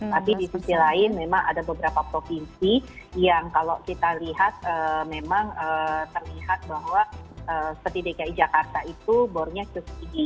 tapi di sisi lain memang ada beberapa provinsi yang kalau kita lihat memang terlihat bahwa seperti dki jakarta itu bornya cukup tinggi